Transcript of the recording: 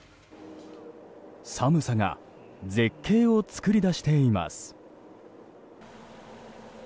寒さが絶景を作り出しています。